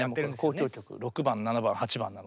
「交響曲６番」「７番」「８番」なので。